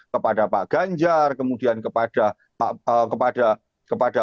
kepada pak ganjar kemudian kepada